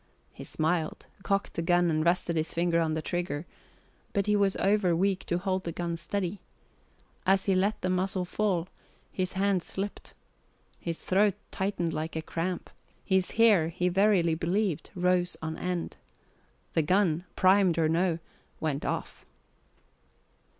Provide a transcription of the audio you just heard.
He smiled, cocked the gun, and rested his finger on the trigger; but he was over weak to hold the gun steady. As he let the muzzle fall, his hand slipped. His throat tightened like a cramp. His hair, he verily believed, rose on end. The gun primed or no went off.